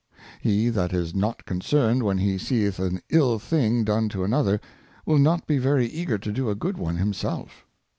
He that is not concerned when he seeth an ill thing done to another, will not be very eager to do a good one himself.